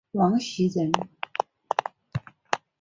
王袭人。